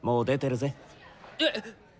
えっ！？